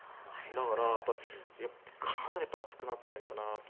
だから、かなり暑くなってるんだなと。